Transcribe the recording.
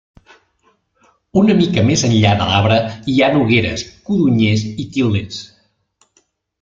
Una mica més enllà de l'arbre hi ha nogueres, codonyers i til·lers.